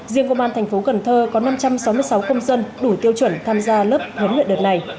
riêng công an thành phố cần thơ có năm trăm sáu mươi sáu công dân đủ tiêu chuẩn tham gia lớp huấn luyện đợt này